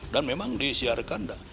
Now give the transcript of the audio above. dan memang disiarkan dah